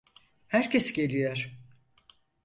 Herkes geliyor.